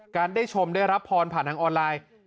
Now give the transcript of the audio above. ได้ชมได้รับพรผ่านทางออนไลน์